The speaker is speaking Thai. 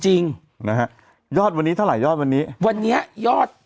จริงนะฮะยอดวันนี้เท่าไหยอดวันนี้วันนี้ยอด